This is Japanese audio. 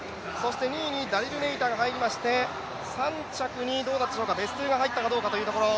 ２位にダリル・ネイタが入りまして、ベストゥエが入ったかどうかというところ。